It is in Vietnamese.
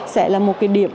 sẽ là một cái điểm